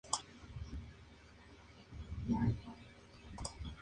Las finanzas de la Corte Imperial se agotaron, y la corte declinó.